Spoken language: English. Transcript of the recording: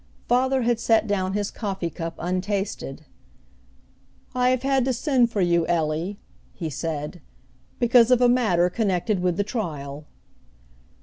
Father had set down his coffee cup untasted. "I have had to send for you, Ellie," he said, "because of a matter connected with the trial."